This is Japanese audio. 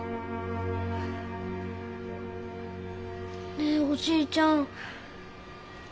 ねえおじいちゃん。